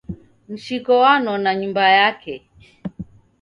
Mshiko wanona nyumba yake.